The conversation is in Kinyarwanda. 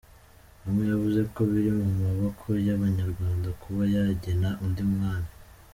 Hamwe yavuze ko biri mu maboko y’abanyarwanda kuba bagena undi mwami.